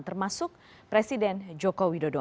termasuk presiden joko widodo